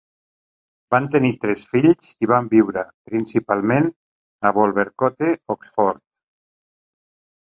Van tenir tres fills i van viure principalment a Wolvercote, Oxford.